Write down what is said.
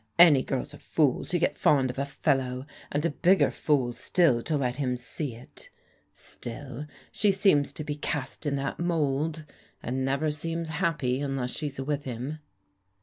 Any girl's a fool to get fond of a fellow, and a bigger fool still to let him see it. Still, she seems to be cast in that mould, and never seems happy tmless she's with him."